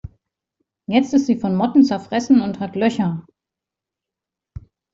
Jetzt ist sie von Motten zerfressen und hat Löcher.